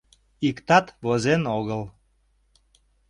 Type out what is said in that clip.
Иктат возен огыл.